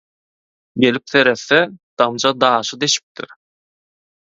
Gelip seretse, damja daşy deşipdir.